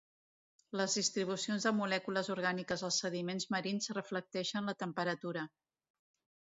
Les distribucions de molècules orgàniques als sediments marins reflecteixen la temperatura.